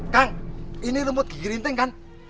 kang ini rumput di gigi rinting kan